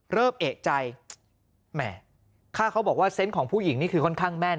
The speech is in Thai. เริ่มเอกใจแหมถ้าเขาบอกว่าเซนต์ของผู้หญิงนี่คือค่อนข้างแม่น